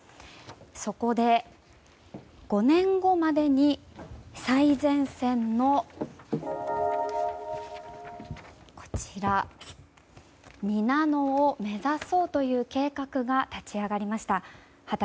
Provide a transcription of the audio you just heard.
そこで、５年後までに最前線の２ナノを目指そうという計画が立ち上がりました。